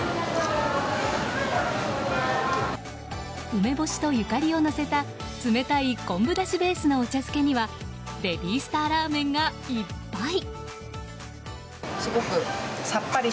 梅干しとゆかりをのせた冷たい昆布だしベースのお茶漬けにはベビースターラーメンがいっぱい。